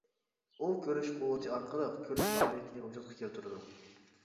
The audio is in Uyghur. ئۇ كۆرۈش قۇۋۋىتى ئارقىلىق كۆرۈش پائالىيىتىنى ۋۇجۇدقا كەلتۈرىدۇ.